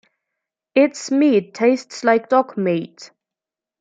Its meat tastes like dog meat.